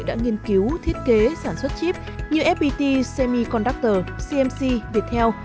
đã nghiên cứu thiết kế sản xuất chip như fpt semiconductor cmc viettel